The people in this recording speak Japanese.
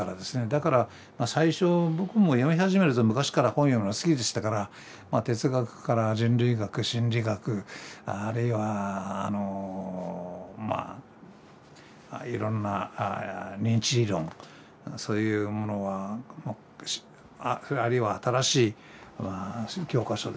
だから最初僕も読み始めると昔から本読むのが好きでしたから哲学から人類学心理学あるいはいろんな認知理論そういうものはあるいは新しい教科書ですね。